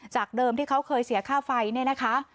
เดิมที่เขาเคยเสียค่าไฟเนี่ยนะคะ